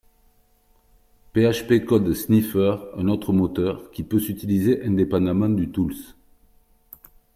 PHP Code Sniffer un autre moteur, qui peut s'utiliser indépendement du Tools